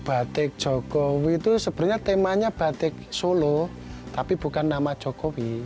batik jokowi itu sebenarnya temanya batik solo tapi bukan nama jokowi